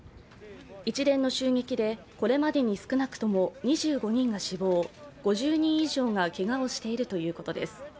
一連の襲撃でこれまでに少なくとも２５人が死亡、５０人以上がけがをしているということです。